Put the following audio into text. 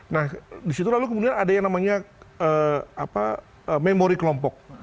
nah disitu lalu kemudian ada yang namanya memori kelompok